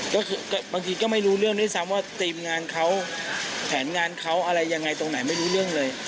ก็คือบางทีก็ไม่รู้เรื่องด้วยซ้ำว่าทีมงานเขาแผนงานเขาอะไรยังไงตรงไหนไม่รู้เรื่องเลย